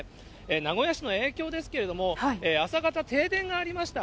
名古屋市の影響ですけれども、朝方、停電がありました。